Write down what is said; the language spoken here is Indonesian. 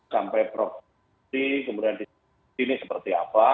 sampai properti kemudian disitu seperti apa